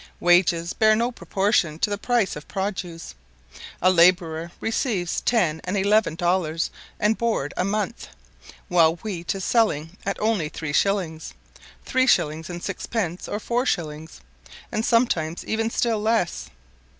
Wages bear no proportion to the price of produce; a labourer receives ten and even eleven dollars and board a month, while wheat is selling at only three shillings, three shillings and six pence or four shillings, and sometimes even still less.